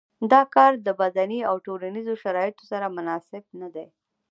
دا کار د بدني او ټولنیزو شرایطو سره مناسب نه دی.